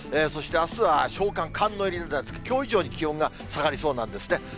そしてあすは小寒、寒の入りで、きょう以上に気温が下がりそうなんですね。